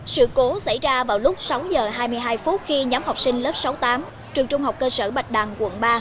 sự cố xảy ra vào lúc sáu h hai mươi hai phút khi nhóm học sinh lớp sáu tám trường trung học cơ sở bạch đằng quận ba